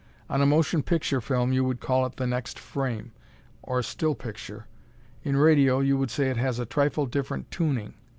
On a motion picture film you would call it the next frame, or still picture. In radio you would say it has a trifle different tuning.